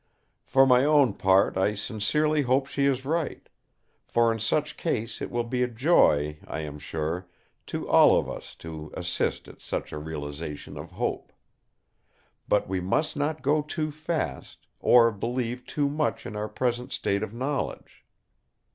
"For my own part I sincerely hope she is right; for in such case it will be a joy, I am sure, to all of us to assist at such a realisation of hope. But we must not go too fast, or believe too much in our present state of knowledge.